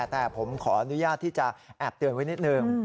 แต่ผมขออนุญาตที่จะแอบเตือนไว้นิดนึง